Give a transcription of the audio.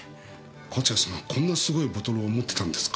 勝谷さんこんなすごいボトルを持ってたんですか。